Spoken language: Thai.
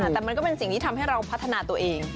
แต่มันก็เป็นสิ่งที่ทำให้เราพัฒนาตัวเอง